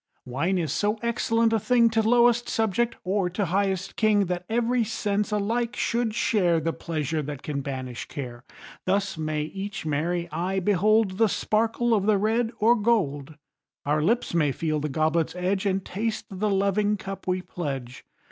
Wine is so excellent a thing To lowest subject, or to highest king, That every sense alike should share The pleasure that can banish care. Thus may each merry eye behold The sparkle of the red or gold. Our lips may feel the goblet's edge And taste the loving cup we pledge.